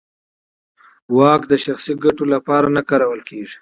واک د شخصي ګټو لپاره نه کارول کېږي.